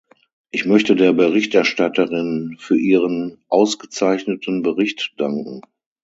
Ich möchte der Berichterstatterin für ihren ausgezeichneten Bericht danken.